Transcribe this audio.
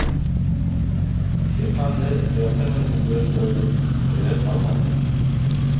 Шер Ханды тояҡтар менән дөмбәҫләүҙең, кәрәге ҡалманы.